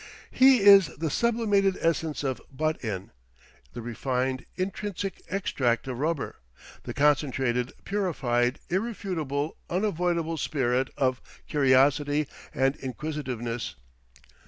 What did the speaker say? "He is the sublimated essence of Butt in; the refined, intrinsic extract of Rubber; the concentrated, purified, irrefutable, unavoidable spirit of Curiosity and Inquisitiveness.